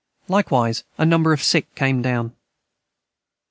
Likewise a number of sick came down.